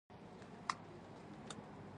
• د شپې فکرونه د زړه نه پورته کېږي.